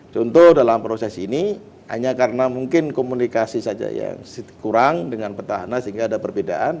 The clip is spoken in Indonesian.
contoh dalam proses ini hanya karena mungkin komunikasi saja yang kurang dengan petahana sehingga ada perbedaan